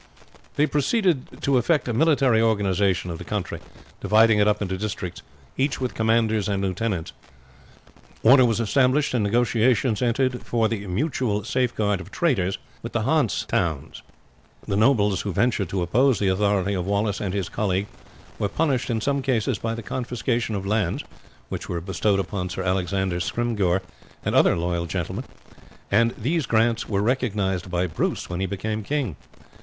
They proceeded to effect a military organization of the country, dividing it up into districts, each with commanders and lieutenants. Order was established and negotiations entered into for the mutual safeguard of traders with the Hanse towns. The nobles who ventured to oppose the authority of Wallace and his colleague were punished in some cases by the confiscation of lands, which were bestowed upon Sir Alexander Scrymgeour and other loyal gentlemen, and these grants were recognized by Bruce when he became king.